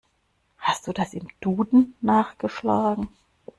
Hast du das im Duden nachgeschlagen?